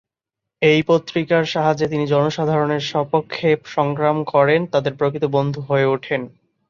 এই পত্রিকার সাহায্যে তিনি জনসাধারণের সপক্ষে সংগ্রাম করে তাদের প্রকৃত বন্ধু হয়ে ওঠেন।